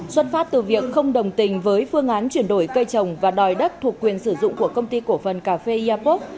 xuất phát từ việc không đồng tình với phương án chuyển đổi cây trồng và đòi đất thuộc quyền sử dụng của công ty cổ phần cà phê airpop